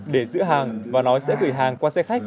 để giữ hàng và nói sẽ gửi hàng qua xe khách